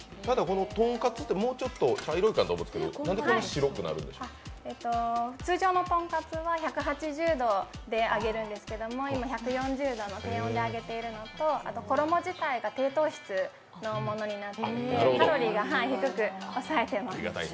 とんかつってもうちょっと茶色くなると思うんですが通常のとんかつは１６０度で揚げるんですが、今、１４０度の低温で揚げているのと衣自体が低糖質のものになっていてカロリーが低く抑えています。